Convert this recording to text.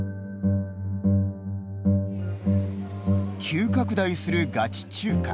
急拡大するガチ中華。